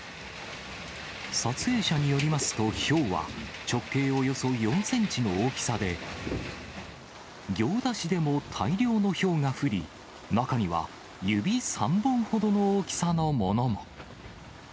撮影者によりますと、ひょうは直径およそ４センチの大きさで、行田市でも大量のひょうが降り、中には指３本ほどの大きさのものも。